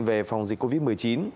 về phòng dịch covid một mươi chín